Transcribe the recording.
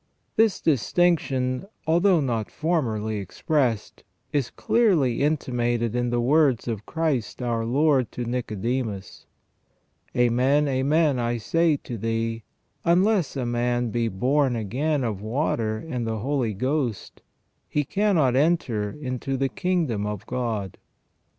This distinction, although not formerly expressed, is clearly intimated in the words of Christ our Lord to Nicodemus : "Amen, amen, I say to thee, unless a man be born again of water and the Holy Ghost, he cannot enter into the kingdom of God